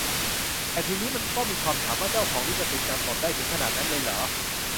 แต่ทีนี้ มันก็มีคำถามว่า เจ้าของลิขสิทธิ์กำหนดได้ถึงขนาดนั้นเลยเหรอ